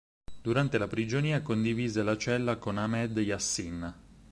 Durante la prigionia condivise la cella con Ahmed Yassin.